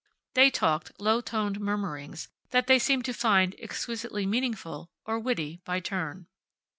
They talked; low toned murmurings that they seemed to find exquisitely meaningful or witty, by turn.